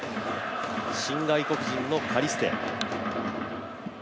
新外国人のカリステ。